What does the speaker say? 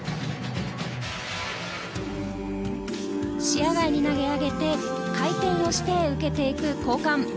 視野外に投げ上げて回転をして受けていく交換。